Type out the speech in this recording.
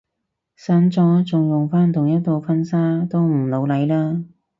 散咗仲用返同一套婚紗都唔老嚟啦